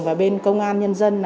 và bên công an nhân dân